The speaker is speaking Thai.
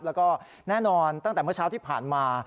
แล้วก็แน่นอนตั้งแต่เมื่อเช้าที่ผ่านมา